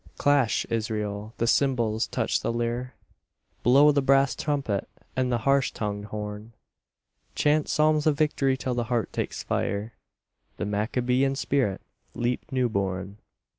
Clash, Israel, the cymbals, touch the lyre, Blow the brass trumpet and the harsh tongued horn; Chant psalms of victory till the heart takes fire, The Maccabean spirit leap new born.